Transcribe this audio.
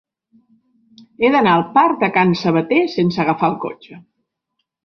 He d'anar al parc de Can Sabater sense agafar el cotxe.